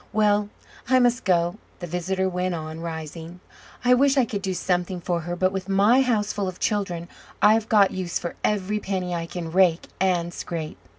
Well, I must go," the visitor went on, rising. "I wish I could do something for her, but, with my houseful of children, I've got use for every penny I can rake and scrape."